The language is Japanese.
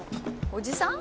おじさん？